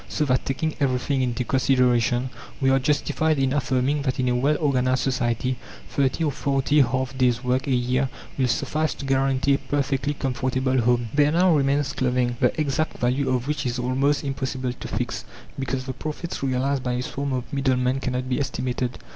So that, taking everything into consideration, we are justified in affirming that in a well organized society 30 or 40 half days' work a year will suffice to guarantee a perfectly comfortable home. There now remains clothing, the exact value of which is almost impossible to fix, because the profits realized by a swarm of middlemen cannot be estimated.